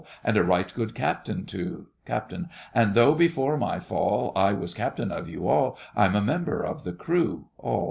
And a right good captain too! CAPT. And though before my fall I was captain of you all, I'm a member of the crew. ALL.